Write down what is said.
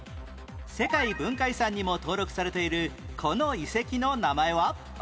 世界文化遺産にも登録されているこの遺跡の名前は？